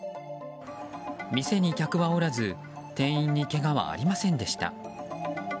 店に客はおらず店員にけがはありませんでした。